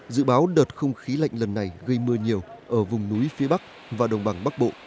dự báo đợt không khí lạnh lần này gây mưa nhiều ở vùng núi phía bắc và đồng bằng bắc bộ